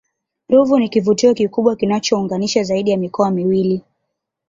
ruvu ni kivutio kikubwa kinachounganisha zaidi ya mikoa miwili